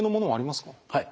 はい。